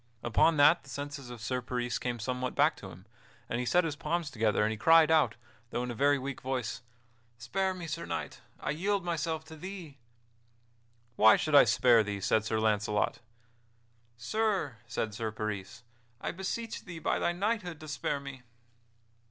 Upon that the senses of Sir Peris came somewhat back to him, and he set his palms together and he cried out, though in a very weak voice: "Spare me, Sir Knight! I yield myself to thee!" "Why should I spare thee?" said Sir Launcelot. "Sir," said Sir Peris, "I beseech thee, by thy knighthood, to spare me."